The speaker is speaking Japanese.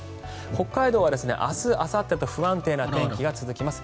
北海道は明日あさってと不安定な天気が続きます。